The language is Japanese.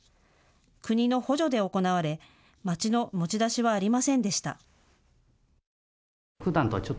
国の補助で行われ町の持ち出しはありませんでした。